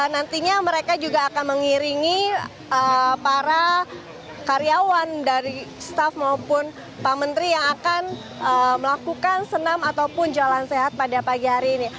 nantinya mereka juga akan mengiringi para karyawan dari staff maupun pak menteri yang akan melakukan senam ataupun jalan sehat pada pagi hari ini